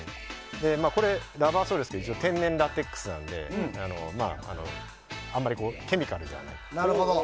これはラバーソールですが一応、天然ラテックスなのであまりケミカルではない。